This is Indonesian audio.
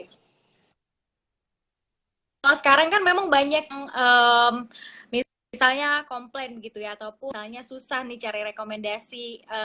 kalau sekarang kan memang banyak yang misalnya komplain gitu ya ataupun halnya susah nih cari rekomendasi